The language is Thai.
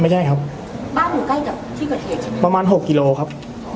ไม่ใช่ครับบ้านอยู่ใกล้กับที่เกิดเหตุใช่ไหมประมาณหกกิโลครับ